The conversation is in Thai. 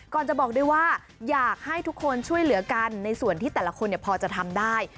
จะบอกด้วยว่าอยากให้ทุกคนช่วยเหลือกันในส่วนที่แต่ละคนพอจะทำได้